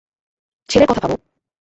ছেলের কথা ভাবো।